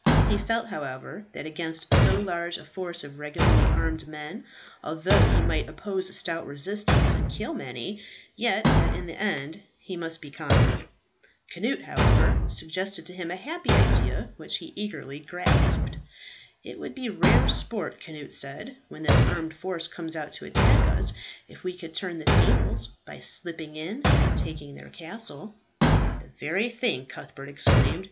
He felt, however, that against so large a force of regularly armed men, although he might oppose a stout resistance and kill many, yet that in the end he must be conquered. Cnut, however, suggested to him a happy idea, which he eagerly grasped. "It would be rare sport," Cnut said, "when this armed force comes out to attack us, if we could turn the tables by slipping in, and taking their castle." "The very thing," Cuthbert exclaimed.